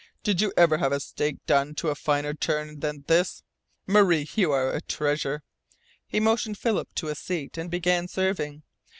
Did you ever see a steak done to a finer turn than this? Marie, you are a treasure." He motioned Philip to a seat, and began serving.